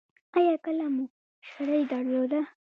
ایا کله مو شری درلوده؟